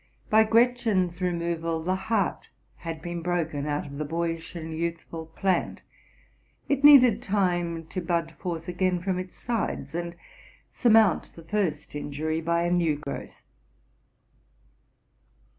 By Gret chen's removal, the heart had been broken out of the boyish and youthful plant: it needed time to bud forth again from its sides, and surmount the first injury by a new growth.